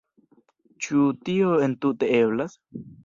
Ĉu tio entute eblas?